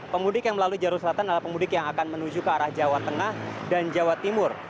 pemudik yang melalui jalur selatan adalah pemudik yang akan menuju ke arah jawa tengah dan jawa timur